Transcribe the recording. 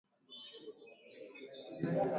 katika utunzaji wa mazingira